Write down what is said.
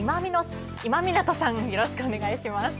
今湊さんよろしくお願いします。